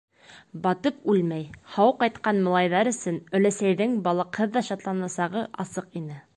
Батып үлмәй, һау ҡайтҡан малайҙар өсөн өләсәйҙең балыҡһыҙ ҙа шатланасағы асыҡ ине.